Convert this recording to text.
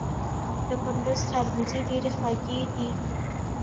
د کندز خربوزې ډیرې خوږې دي